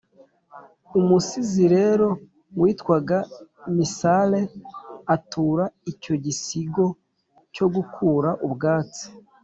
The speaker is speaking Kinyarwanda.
umusizi rero witwaga misare atura icyo gisigo cyo gukura ubwatsi,